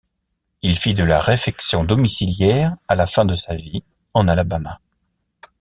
Il fit de la réfection domiciliaire à la fin de sa vie en Alabama.